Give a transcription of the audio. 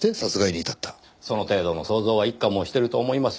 その程度の想像は一課もしてると思いますよ。